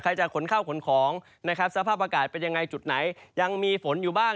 จะขนข้าวขนของนะครับสภาพอากาศเป็นยังไงจุดไหนยังมีฝนอยู่บ้าง